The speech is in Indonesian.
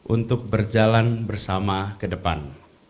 untuk berjalan bersama ke depan